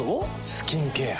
スキンケア。